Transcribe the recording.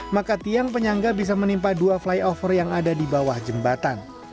maka tiang penyangga bisa menimpa dua flyover yang ada di bawah jembatan